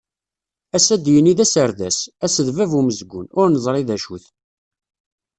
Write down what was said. Ass ad d-yini d aserdas, ass d bab umezgun, ur neẓri d acu-t.